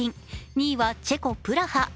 ２位はチェコ・プラハ。